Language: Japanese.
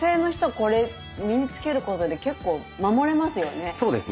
これ身に付けることで結構守れますよね。